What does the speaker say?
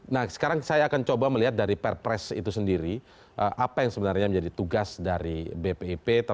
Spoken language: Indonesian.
nah sekarang saya akan coba melihat dari perpres itu sendiri apa yang sebenarnya menjadi tugas dari bpip